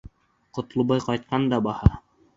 Ҡотлобай ҡайтҡан да баһа!